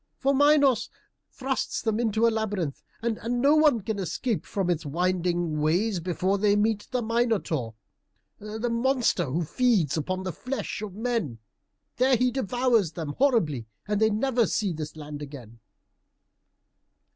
For Minos thrusts them into a labyrinth, and no one can escape from its winding ways, before they meet the Minotaur, the monster who feeds upon the flesh of men. There he devours them horribly, and they never see this land again."